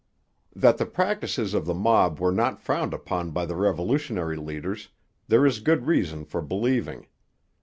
That the practices of the mob were not frowned upon by the revolutionary leaders, there is good reason for believing.